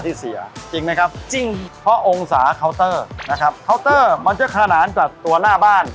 ที่เสียจริงไหมครับจริงเพราะองค์สานะครับมันจะขนาดกับตัวหน้าบ้าน